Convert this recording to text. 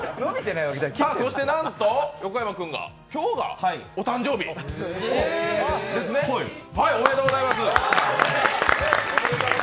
そしてなんと横山くんが今日がお誕生日、おめでとうございます。